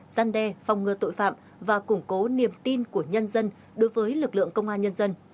gian đe phòng ngừa tội phạm và củng cố niềm tin của nhân dân đối với lực lượng công an nhân dân